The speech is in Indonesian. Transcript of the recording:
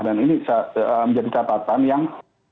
dan ini menjadi catatan yang